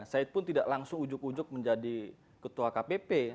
saya pun tidak langsung ujug ujug menjadi ketua kpp